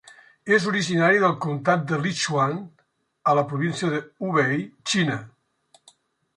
És originari del comtat de Lichuan a la província de Hubei, Xina.